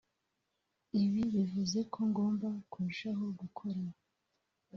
ibi bivuze ko ngomba kurushaho gukora